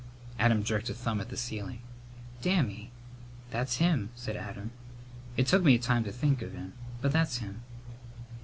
Adam jerked a thumb at the ceiling. "Dammy!" "That's him," said Adam. "It took me a time to think of him, but that's him."